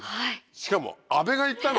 しかも阿部が行ったの？